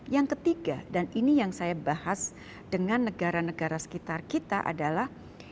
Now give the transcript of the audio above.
yang ketiga dan ini yang saya bahas dengan negara negara sekitar kita adalah